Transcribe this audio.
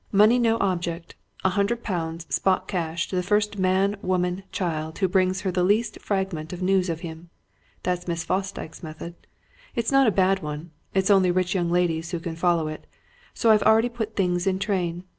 Money no object. A hundred pounds, spot cash, to the first man, woman, child, who brings her the least fragment of news of him. That's Miss Fosdyke's method. It's not a bad one it's only rich young ladies who can follow it. So I've already put things in train.